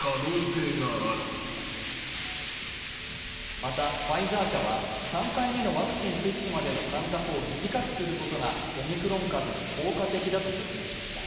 また、ファイザー社３回目のワクチン接種までの期間を短くすることがオミクロン株に効果的だと説明しました。